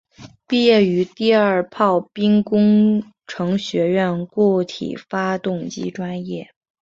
毕业于第二炮兵工程学院固体发动机专业。